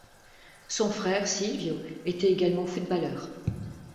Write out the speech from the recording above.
Son frère, Silvio, était également footballeur.